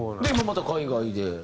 で今また海外で。